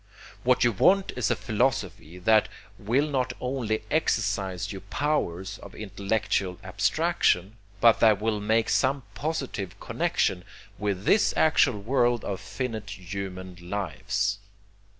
What you want is a philosophy that will not only exercise your powers of intellectual abstraction, but that will make some positive connexion with this actual world of finite human lives.